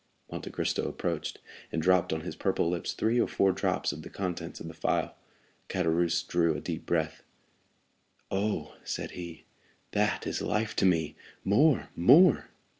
Monte Cristo approached, and dropped on his purple lips three or four drops of the contents of the phial. Caderousse drew a deep breath. "Oh," said he, "that is life to me; more, more!"